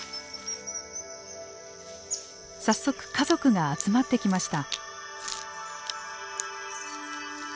早速家族が集まってきました。